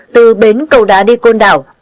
từ bến cầu đá đi côn đảo